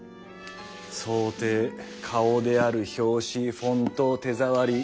装丁顔である表紙フォント手触り。